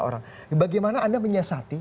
orang bagaimana anda menyesati